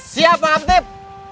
siap pakam tip